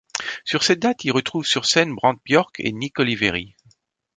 Sur cette date il retrouve sur scène Brant Bjork et Nick Oliveri.